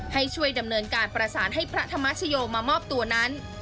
ให้ช่วยดำเนินการประสานให้พระธรรมชโยมามอบตัวนั้น